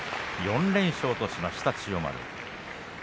４連勝としました千代丸。